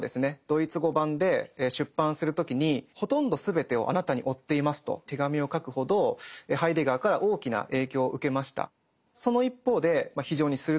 ドイツ語版で出版する時に「ほとんどすべてをあなたに負っています」と手紙を書くほどハイデガーから大きな影響を受けました。